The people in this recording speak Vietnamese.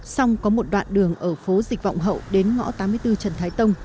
xong có một đoạn đường ở phố dịch vọng hậu đến ngõ tám mươi bốn trần thái tông